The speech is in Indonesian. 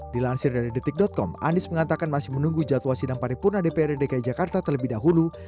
dilansir dari detik com anies mengatakan masih menunggu jadwal sidang paripurna dprd dki jakarta terlebih dahulu